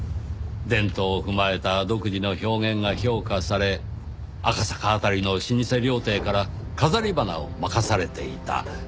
伝統を踏まえた独自の表現が評価され赤坂辺りの老舗料亭から飾り花を任されていた。